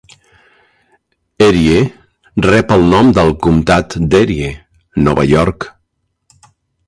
Erie rep el nom del comtat d'Erie, Nova York.